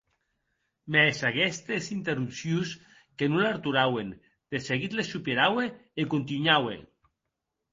Mès aguestes interrupcions que non l'arturauen, de seguit les superaue e contunhaue.